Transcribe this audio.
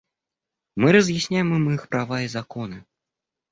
Мы разъясняем им их права и законы.